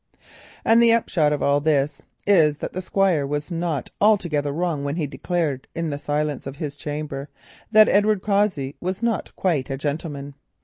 And the upshot of all this is that the Squire was not altogether wrong when he declared in the silence of his chamber that Edward Cossey was not quite a gentleman.